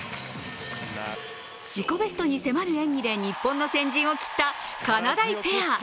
自己ベストに迫る演技で日本の先陣を切ったかなだいペア。